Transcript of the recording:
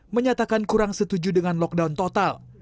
menyatakan kurang setuju dengan lockdown total